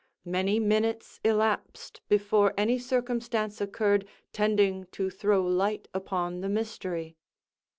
Many minutes elapsed before any circumstance occurred tending to throw light upon the mystery.